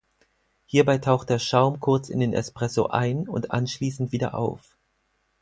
Hierbei taucht der Schaum kurz in den Espresso ein und anschließend wieder auf.